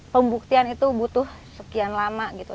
pembuktian itu butuh sekian lama gitu